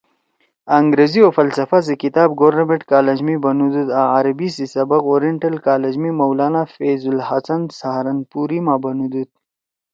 انگریزی او فلسفہ سی کتاب گورنمنٹ کالج می بنُودُود آں عربی سی سبق اوریئنٹل کالج می مولانا فیض الحسن سہارنپوری ما بنُودُود